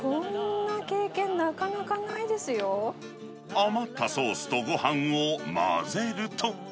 うわー、余ったソースとごはんを混ぜると。